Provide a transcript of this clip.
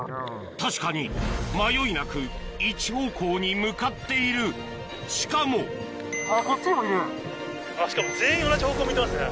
確かに迷いなく１方向に向かっているしかもしかも全員同じ方向向いてますね。